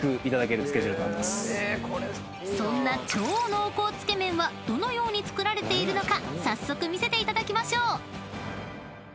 ［そんな超濃厚つけ麺はどのように作られているのか早速見せていただきましょう］